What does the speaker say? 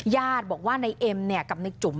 ญาติบอกว่านายเอ็มกับนายจุ๋ม